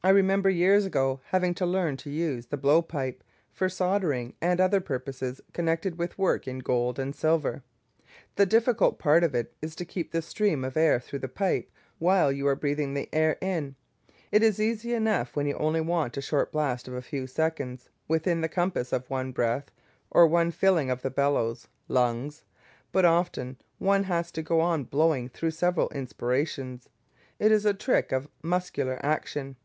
I remember years ago having to learn to use the blow pipe, for soldering and other purposes connected with work in gold and silver. The difficult part of it is to keep up the stream of air through the pipe while you are breathing the air in; it is easy enough when you only want a short blast of a few seconds, within the compass of one breath or one filling of the bellows (lungs), but often one has to go on blowing through several inspirations. It is a trick of muscular action.